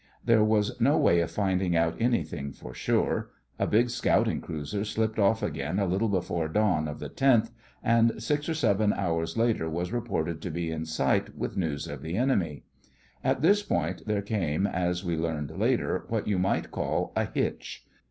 There was no way of finding out anything for sure. A big scouting cruiser slipped off again a little before dawn of the 10th, and six or seven hours later was reported to be in sight with news of the enemy. At this point there came, as we learned later, what you might call a hitch.